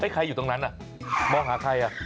ใครอยู่ตรงนั้นมองหาใคร